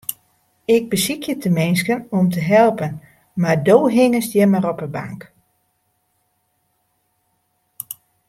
Ik besykje teminsten om te helpen, mar do hingest hjir mar op 'e bank.